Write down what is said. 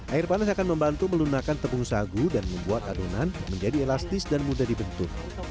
air panas akan membantu melunakan tepung sagu dan membuat adonan menjadi elastis dan mudah dibentuk